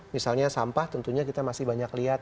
misalnya sampah tentunya kita masih banyak lihat